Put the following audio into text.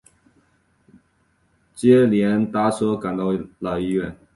接连搭车赶到了医院